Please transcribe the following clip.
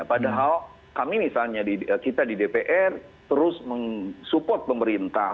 padahal kami misalnya di kita di dpr terus meng support pemerintah